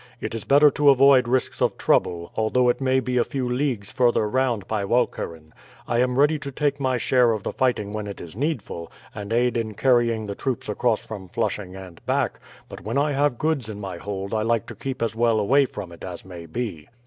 It is better to avoid risks of trouble, although it may be a few leagues further round by Walcheren. I am ready to take my share of the fighting when it is needful, and aid in carrying the troops across from Flushing and back, but when I have goods in my hold I like to keep as well away from it as may be."